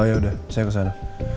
oh ya udah saya kesana